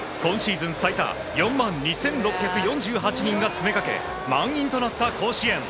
今シーズン最多４万２６４８人が詰めかけ満員となった甲子園。